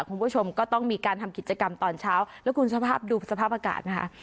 คุณผู้ชมก็ต้องมีการทำกิจกรรมตอนเช้าแล้วคุณสภาพดูสภาพอากาศนะคะ